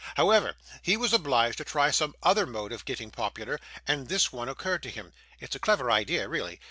However, he was obliged to try some other mode of getting popular, and this one occurred to him. It's a clever idea, really.